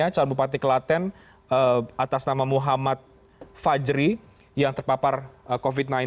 calon bupati kelaten atas nama muhammad fajri yang terpapar covid sembilan belas